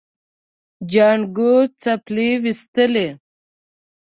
جانکو څپلۍ وېستې.